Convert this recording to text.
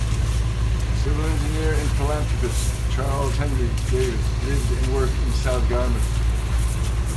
Civil engineer and philanthropist Charles Henry Davis lived and worked in South Yarmouth.